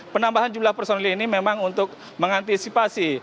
penambahan jumlah personil ini memang untuk mengantisipasi